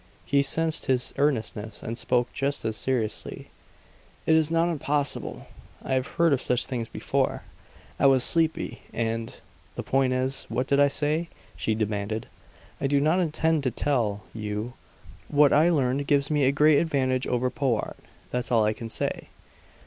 She sensed his earnestness, and spoke just as seriously. "It is not impossible. I have heard of such things before. I was sleepy, and the point is, what did I say?" she demanded. "I do not intend to tell you. What I learned gives me a great advantage over Powart; that's all I can say.